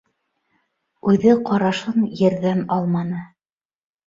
Үҙе ҡарашын ерҙән алманы.